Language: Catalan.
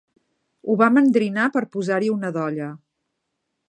Ho va mandrinar per posar-hi una dolla